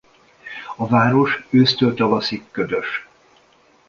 A város ősztől tavaszig ködös.